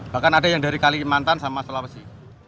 bahkan ada yang dari kalimantan sama sulawesi